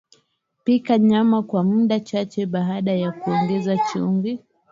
Pika nyama kwa mda mchache baada ya kuongeza chumvi